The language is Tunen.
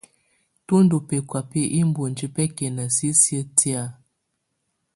Tù ndù bɛkɔ̀á bi iboŋdiǝ́ bɛkɛna sisiǝ́ tɛ̀á.